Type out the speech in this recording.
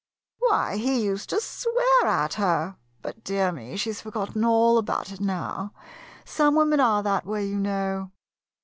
Why, he used to swear at her! But, dear me, she 's forgotten all about it now. Some women are that way, you know.